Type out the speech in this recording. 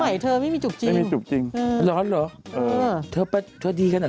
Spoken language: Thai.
ใช่แต่ว่าไม่มีจูบจริงน่ะเหมือนก่อนเขาไม่จูบจริง